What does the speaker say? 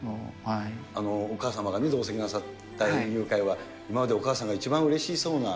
お母様が同席なさった、今までお母さんが一番うれしそうな。